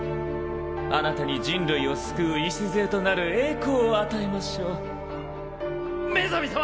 あなたに人類を救う礎となる栄光を与えましょうメザミ様